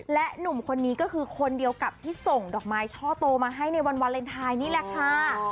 และหนุ่มคนนี้ก็คือคนเดียวกับที่ส่งดอกไม้ช่อโตมาให้ในวันวาเลนไทยนี่แหละค่ะ